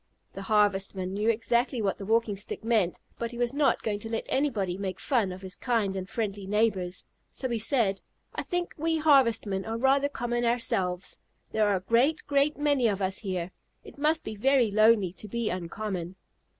The Harvestman knew exactly what the Walking Stick meant, but he was not going to let anybody make fun of his kind and friendly neighbors, so he said: "I think we Harvestmen are rather common ourselves. There are a great, great many of us here. It must be very lonely to be uncommon."